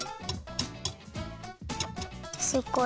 すごい。